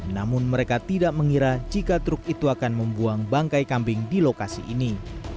namun mereka tidak mengira jika truk itu akan membuang bangkai kambing di lokasi ini